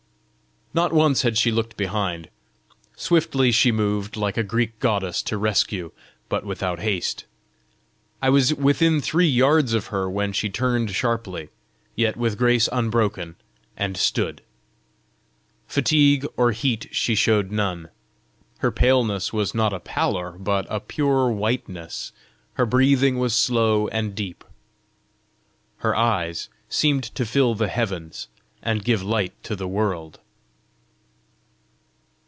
Not once had she looked behind. Swiftly she moved, like a Greek goddess to rescue, but without haste. I was within three yards of her, when she turned sharply, yet with grace unbroken, and stood. Fatigue or heat she showed none. Her paleness was not a pallor, but a pure whiteness; her breathing was slow and deep. Her eyes seemed to fill the heavens, and give light to the world.